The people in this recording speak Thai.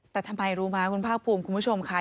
แต่ทำไมรู้ไหมคุณภาคภูมิคุณผู้ชมค่ะ